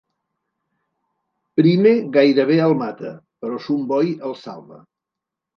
Prime gairebé el mata, però Sun Boy el salva.